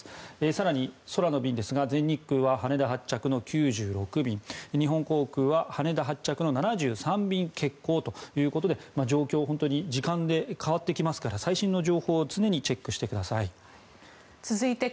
更に空の便ですが全日空は羽田発着の９６便日本航空は羽田発着の７３便欠航ということで状況は時間で変わってきますから最新の情報を常にチェックしてください。